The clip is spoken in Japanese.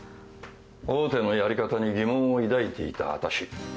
大手のやり方に疑問を抱いていたあたし。